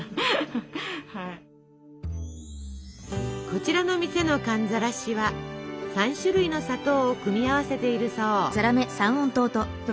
こちらの店の寒ざらしは３種類の砂糖を組み合わせているそう。